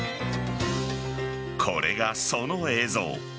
これが、その映像。